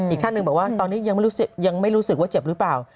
อีกท่านหนึ่งบอกว่าตอนนี้ยังไม่รู้สึกว่าเจ็บหรือเปล่า